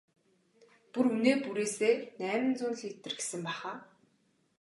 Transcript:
Бүр үнээ бүрээсээ найман зуун литр гэсэн байх аа?